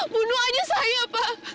bunuh saja saya pak